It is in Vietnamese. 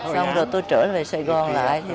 xong rồi tôi trở về sài gòn lại